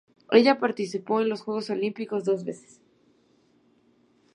Ella participó en los Juegos Olímpicos dos veces.